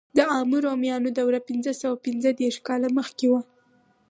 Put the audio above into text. د عامو رومیانو دوره پنځه سوه پنځه دېرش کاله مخکې وه.